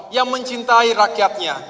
yang mencintai rakyatnya